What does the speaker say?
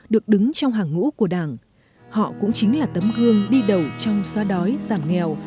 được đứng trong hàng ngũ của đảng họ cũng chính là tấm gương đi đầu trong xóa đói giảm nghèo